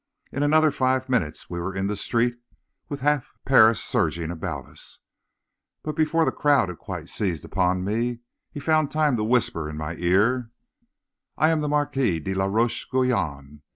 In another five minutes we were in the street, with half Paris surging about us, but before the crowd had quite seized upon me, he had found time to whisper in my ear: "'I am the Marquis de la Roche Guyon.